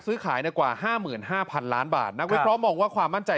ซื้อขายในกว่า๕๕๐๐๐ล้านบาทนักวิเคราะห์มองว่าความมั่นใจ